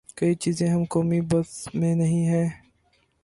کئی چیزیں ہمارے قومی بس میں نہیں ہیں۔